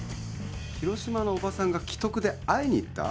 広島のおばさんが危篤で会いに行った？